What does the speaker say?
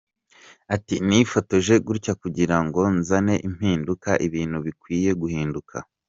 Ati “Nifotoje gutya kugira ngo nzane impinduka, ibintu bikwiye guhinduka.